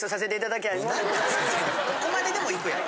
どこまででも行くやろ。